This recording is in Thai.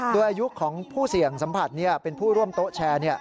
โดยอายุของผู้เสี่ยงสัมผัสเป็นผู้ร่วมโต๊ะแชร์